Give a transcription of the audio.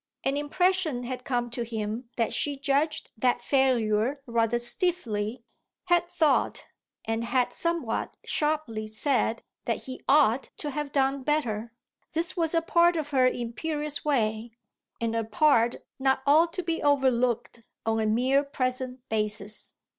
An impression had come to him that she judged that failure rather stiffly, had thought, and had somewhat sharply said, that he ought to have done better. This was a part of her imperious way, and a part not all to be overlooked on a mere present basis.